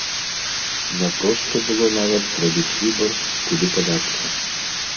Няпроста было нават зрабіць выбар, куды падацца.